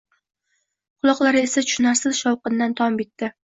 quloqlari esa tushinarsiz shovqindan tom bitdi.